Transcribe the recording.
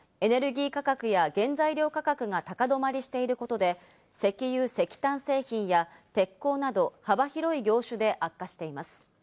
エネルギー価格や原材料価格が高止まりしていることで、石油・石炭製品や鉄鋼など、幅広い業種で悪化しています。